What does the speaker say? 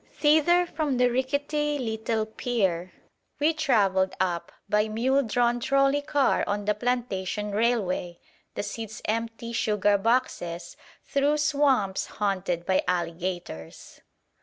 Thither from the rickety little pier we travelled up by mule drawn trolley car on the plantation railway, the seats empty sugar boxes, through swamps haunted by alligators.